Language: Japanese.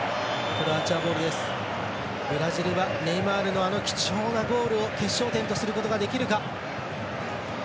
ブラジルはネイマールの貴重なゴールを決勝点とすることができるか。